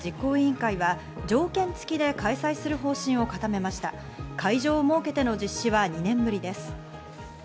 会場を設けての実施は２年ぶりです。